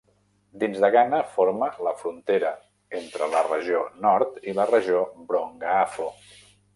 Dins de Ghana, forma la frontera entre la regió Nord i la regió Brong-Ahafo.